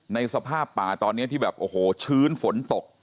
สภาพป่าตอนนี้ที่แบบโอ้โหชื้นฝนตก